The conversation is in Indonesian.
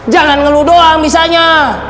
jangan ngeluh doang misalnya